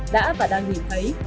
đã và đang nhìn thấy